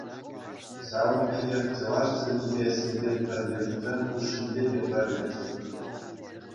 Ҫавӑн пекех чӑваш чӗлхипе ӗҫлекен пӗрлешӳсем хушшинче те пӗрлӗх ҫук.